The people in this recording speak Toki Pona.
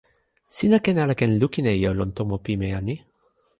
sina ken ala ken lukin e ijo lon tomo pimeja ni?